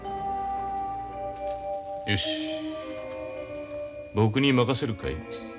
よし僕に任せるかい？